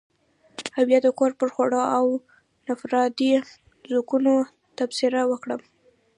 او يا د کور پر خوړو او انفرادي ذوقونو تبصره وکړم.